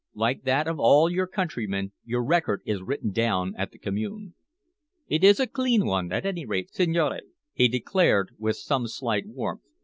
"Like that of all your countrymen, your record is written down at the Commune." "It is a clean one, at any rate, signore," he declared with some slight warmth.